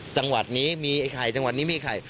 จังหวัดนี้มีไอ้ไข่จังหวัดนี้มีไข่